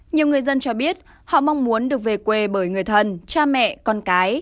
nhiều người dân cho biết họ mong muốn được về quê bởi người thân cha mẹ con cái